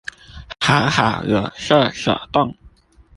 還好有設手動